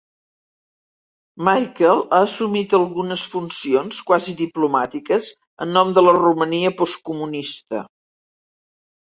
Michael ha assumit algunes funcions quasi diplomàtiques en nom de la Romania postcomunista.